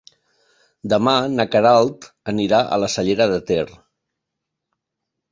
Demà na Queralt anirà a la Cellera de Ter.